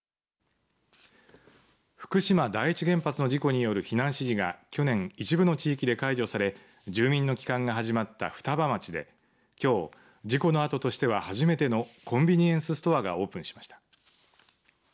福島第一原発の事故による避難指示が去年一部の地域で解除され住民の帰還が始まった双葉町できょう事故のあととしては初めてのコンビニエンスストアがオープンしました。